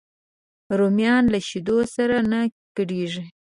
رومیان له شیدو سره نه ګډېږي